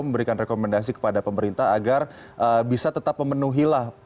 dan memberikan rekomendasi kepada pemerintah agar bisa tetap memenuhilah